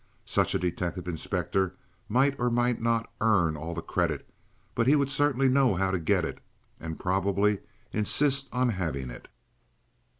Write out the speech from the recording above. Such a detective inspector might or might not earn all the credit, but he would certainly know how to get it and probably insist on having it.